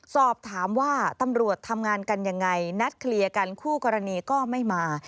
สอบถามว่าตำรวจทำงานกันยังไงนัดเคลียร์กันคู่กรณีก็ไม่มา